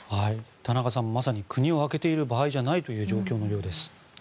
田中さん、まさに国を空けている場合じゃないという状況のようです。